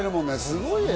すごいね。